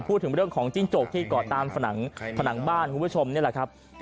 พูดถึงเรื่องของจิ้งจกที่เกาะตามผนังบ้านคุณผู้ชมนี่แหละครับ